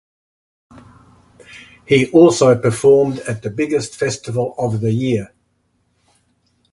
He also performed at the biggest festival of the year.